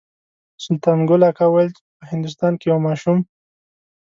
سلطان ګل اکا ویل په هندوستان کې یو ماشوم.